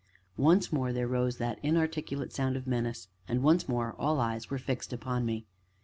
Once more there rose that inarticulate sound of menace, and once more all eyes were fixed upon me.